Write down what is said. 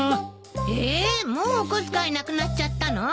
えっもうお小遣いなくなっちゃったの？